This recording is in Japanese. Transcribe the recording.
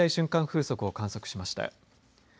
風速を観測しました。